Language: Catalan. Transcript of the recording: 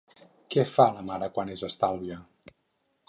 Què fa la mare quan és estàlvia?